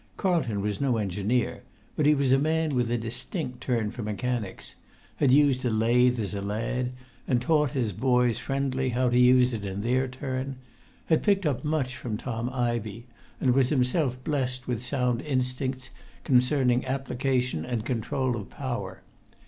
Carlton was no engineer, but he was a man with a distinct turn for mechanics; had used a lathe as a lad, and taught his Boys' Friendly how to use it in their turn; had picked up much from Tom Ivey, and was himself blessed with sound instincts concerning application and control of power.